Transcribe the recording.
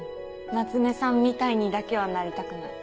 夏目さんみたいにだけはなりたくない。